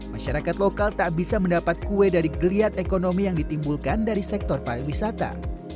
masyarakat lokal tak bisa mendapat kue dari geliat ekonomi yang ditimbulkan dari sektor pariwisata